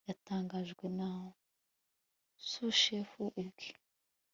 yatangajwe na sushefu ubwe